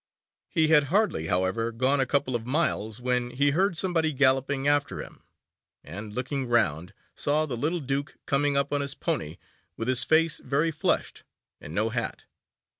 He had hardly, however, gone a couple of miles when he heard somebody galloping after him, and, looking round, saw the little Duke coming up on his pony, with his face very flushed and no hat.